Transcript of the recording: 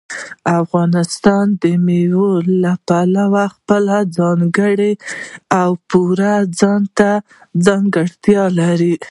افغانستان د مېوو له پلوه خپله ځانګړې او پوره ځانته ځانګړتیا لري.